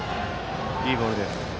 いいボールです。